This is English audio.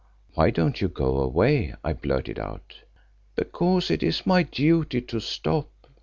"Why don't you go away?" I blurted out. "Because it is my duty to stop.